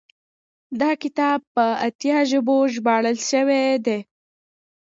دا کتاب په اتیا ژبو ژباړل شوی دی.